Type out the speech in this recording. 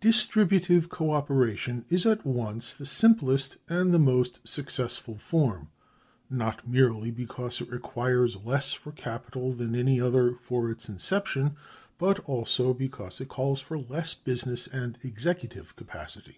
Distributive co operation is at once the simplest and the most successful form, not merely because it requires less for capital than any other for its inception, but also because it calls for less business and executive capacity.